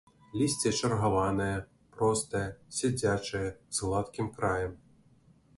Лісце чаргаванае, простае, сядзячае, з гладкім краем.